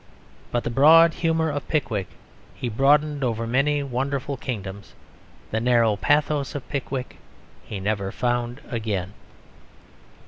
But the broad humour of Pickwick he broadened over many wonderful kingdoms; the narrow pathos of Pickwick he never found again.